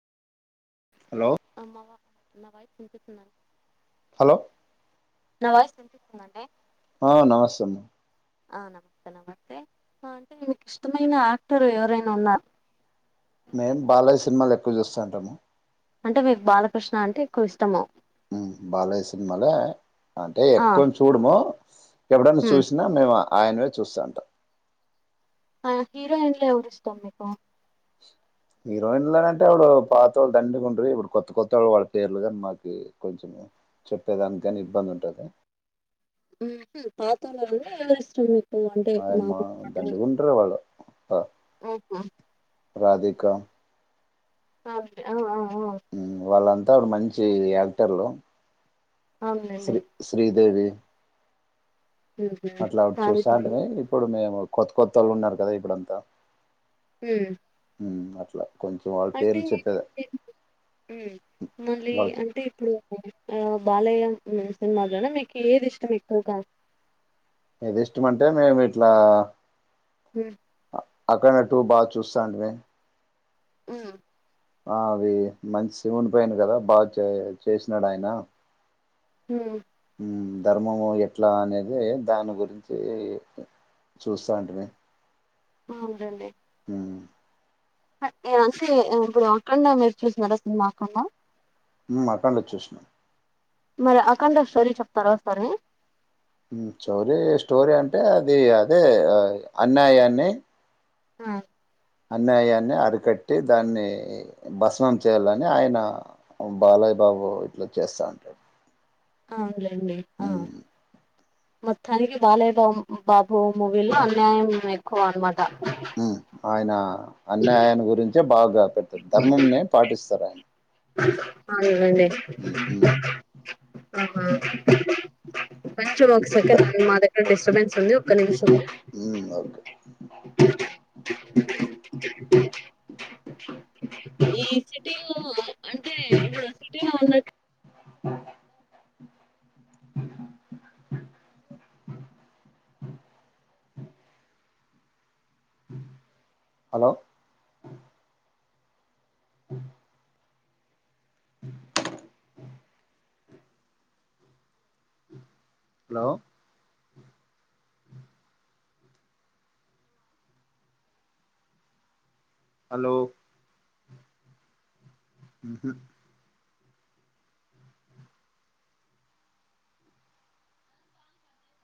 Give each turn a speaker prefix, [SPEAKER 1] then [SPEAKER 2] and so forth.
[SPEAKER 1] Hello
[SPEAKER 2] అమ్మవా నా వయి వినిపిస్తుందా
[SPEAKER 1] హలో
[SPEAKER 2] నా వాయిస్ వినిపిస్తుంద అండి
[SPEAKER 1] ఆ నమస్తే అమ్మ
[SPEAKER 2] ఆ నమస్తే నమస్తే అంటే మీకు ఇష్టమైన యాక్టరు ఎవరైనా ఉన్నార
[SPEAKER 1] మేం బాలయ్య సినిమాలు ఎక్కువ చూస్తా ఉంటాము
[SPEAKER 2] అంటే మీకు బాలకృష్ణ అంటే ఎక్కువ ఇష్టము
[SPEAKER 1] బాలయ్య సినిమలే అంటే
[SPEAKER 2] ఆ
[SPEAKER 1] ఎక్కువ చూడము ఎప్పుడైన్నా
[SPEAKER 2] హ్మ్
[SPEAKER 1] చూసినా మేము ఆయనవే చూస్తాంటం
[SPEAKER 2] ఆ హీరోయిన్లో ఎవరు ఇష్టం మీకు
[SPEAKER 1] హీరోయిన్లనంటే అవుడు పాత వాళ్ళు దండిగ్ ఉండ్రి ఇప్పుడు కొత్త కొత్త వాళ్ళ పేర్లు కాని మాక్ తెలిద్ కొంచెం చెప్పేదానికాని ఇబ్బంది ఉంటది
[SPEAKER 2] హుమ్ పాతోల్లలో ఎవరిష్టం మీకు అంటే
[SPEAKER 1] ఆయమ్మా
[SPEAKER 2] మామూలు పాటలు
[SPEAKER 1] దండి గుంట్ర వాళ్ళు ఆ
[SPEAKER 2] ఓహో
[SPEAKER 1] రాధికా
[SPEAKER 2] ఆ అవు అవు అవు
[SPEAKER 1] టారు మంచి యాక్టర్లు
[SPEAKER 2] అవునులేండి
[SPEAKER 1] శ్రీ శ్రీదేవి
[SPEAKER 2] ఊహూ
[SPEAKER 1] అట్లా
[SPEAKER 2] సావిత్రి
[SPEAKER 1] చూస్తాంటిని ఇప్పుడు మేం ఉ కొత్త కొత్త వాళ్ళు ఉన్నారు కదా ఇప్పుడంతా
[SPEAKER 2] ఉమ్
[SPEAKER 1] ఉమ్ అట్లా కొంచెం వాళ్ళ
[SPEAKER 2] అంటే
[SPEAKER 1] పేర్లు చెప్పేది
[SPEAKER 2] ఎందుకు మ్మ్ మళ్ళీ
[SPEAKER 1] వాళ్ళకి
[SPEAKER 2] అంటే ఇప్పుడు ఆ బాలయ్య సినిమాలోనా మీకు ఏది ఇష్టం ఎక్కువగా
[SPEAKER 1] ఏది ఇష్టం అంటే మేం ఇట్లా
[SPEAKER 2] హ్మ్
[SPEAKER 1] అఖండ టూ బాగా చూస్సాంటిమి
[SPEAKER 2] ఉమ్
[SPEAKER 1] ఆ అవి మంచి ఉండిపోయాను కదా బాగా చే చేసినాడు ఆయన
[SPEAKER 2] హ్మ్
[SPEAKER 1] ధర్మము ఎట్లా అనేది దాని గురించి చూస్సాంటిమి.
[SPEAKER 2] ఆవునులేండి అంటే ఇప్పుడు అఖండా మీరు చూసినారా సినిమా అఖండా
[SPEAKER 1] ఉమ్ మఠంలో చూసినం
[SPEAKER 2] మరి అఖండ స్టోరీ చెప్తారా ఓసారి
[SPEAKER 1] మ్మ్ చోరీ స్టోరీ అంటే అది అదే అన్యాయాన్ని
[SPEAKER 2] ఆ
[SPEAKER 1] అన్యాయాన్ని అరికట్టి దాన్ని భస్మం చేయాలని ఆయన బాలయ్య బాబు ఇట్లా చేస్తా ఉంటాడు
[SPEAKER 2] అవును లే డి ఆ
[SPEAKER 1] ఉమ్
[SPEAKER 2] మొత్తానికి బాలయ్యబా బాబు ఓం మూవీలో అన్యాయం [unintelligible]
[SPEAKER 1] ఉమ్ ఆయనా అన్యాయాన్ని గురించి బాగా పెద్దది ధర్మం నే పాటిస్తారు ఆయన
[SPEAKER 2] అవుండి
[SPEAKER 1] ఉమ్ ఉమ్
[SPEAKER 2] ఆహా కొంచెం ఒక సెకండ్ మా దగ్గర డిస్టర్ బెన్స్ ఉంది ఒక్క నిమిషం
[SPEAKER 1] ఉ ఓకే
[SPEAKER 2] ఈ సిటీను అంటే ఇప్పుడు సిటీలో ఉన్నట్టు
[SPEAKER 1] హలో అ హలో హలో ఉహు